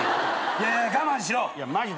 いやいや我慢しろ。